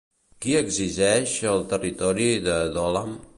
Qui exigeix el territori de Dohlam?